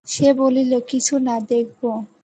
সে বলিল, কিছু না, দেখবো।